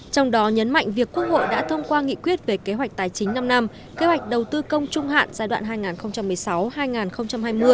trong đó nhấn mạnh việc quốc hội đã thông qua nghị quyết về kế hoạch tài chính năm năm kế hoạch đầu tư công trung hạn giai đoạn hai nghìn một mươi sáu hai nghìn hai mươi